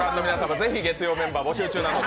ぜひ月曜メンバー募集中なので。